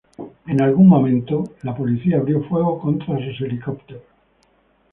En algún momento, la policía abrió fuego contra sus helicópteros.